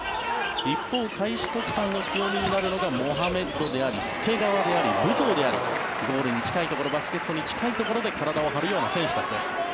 一方、開志国際の強みになるのがモハメッドであり介川であり武藤でありゴールに近いところバスケットに近いところで体を張るような選手たちです。